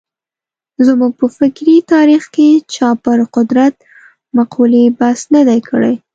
زموږ په فکري تاریخ کې چا پر قدرت مقولې بحث نه دی کړی.